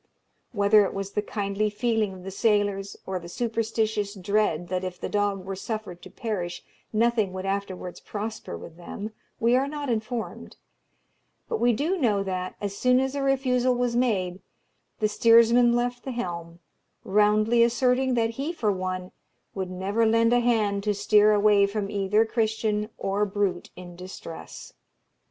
Whether it was the kindly feeling of the sailors, or the superstitious dread that if the dog were suffered to perish nothing would afterwards prosper with them, we are not informed; but we do know that, as soon as a refusal was made, the steersman left the helm, roundly asserting that he for one would never lend a hand to steer away from either Christian or brute in distress.